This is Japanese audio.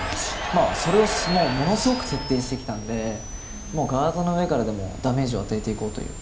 それをものすごく徹底してきたのでガードの上からでもダメージを与えていこうという。